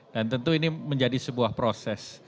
dan tentu ini menjadi sebuah proses